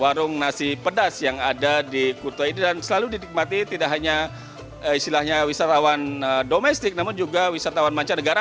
warung nasi pedas yang ada di kuto ini dan selalu didikmati tidak hanya istilahnya wisatawan domestik namun juga wisatawan mancanegara